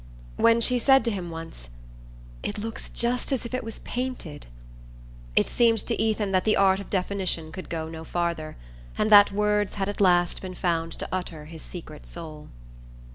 When she said to him once: "It looks just as if it was painted!" it seemed to Ethan that the art of definition could go no farther, and that words had at last been found to utter his secret soul....